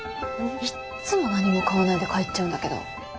いっつも何も買わないで帰っちゃうんだけど。